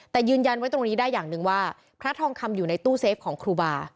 แต่ยืนยันไว้ตรงนี้ได้อย่างหนึ่งว่าพระทองคำอยู่ในตู้เซฟของครูบา